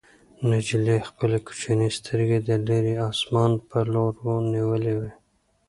نجلۍ خپلې کوچنۍ سترګې د لیرې اسمان په لور نیولې وې.